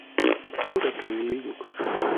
Север это или Юг?